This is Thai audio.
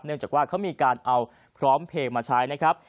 จากว่าเขามีการเอาพร้อมเพลงมาใช้นะครับ